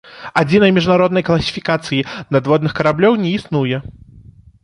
Адзінай міжнароднай класіфікацыі надводных караблёў не існуе.